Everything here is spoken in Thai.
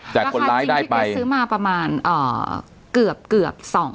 จากคนร้ายได้ไปราคาจริงที่เขาซื้อมาประมาณ